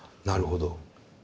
なるほど。